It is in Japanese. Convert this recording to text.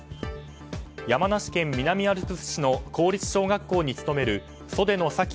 山梨県南アルプス市の公立小学校に勤める袖野彩生